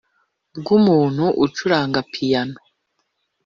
Bw umuntu ucuranga piyano